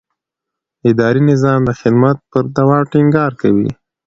اداري نظام د خدمت پر دوام ټینګار کوي.